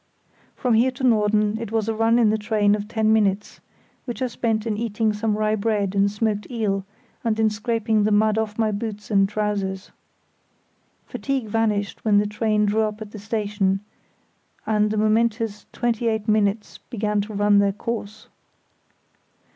From here to Norden it was a run in the train of ten minutes, which I spent in eating some rye bread and smoked eel, and in scraping the mud off my boots and trousers. Fatigue vanished when the train drew up at the station, and the momentous twenty eight minutes began to run their course.